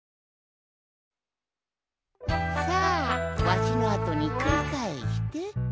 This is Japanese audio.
さあわしのあとにくりかえして。